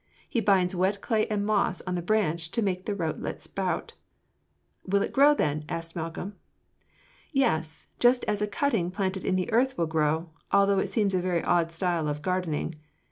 He binds wet clay and moss on the branch to make the rootlet sprout." "Will it grow then?" asked Malcolm. "Yes, just as a cutting planted in the earth will grow, although it seems a very odd style of gardening.